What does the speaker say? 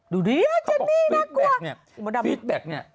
ดูดิอ่ะเจนนี่น่ากลัวฟีดแบ็คเนี่ย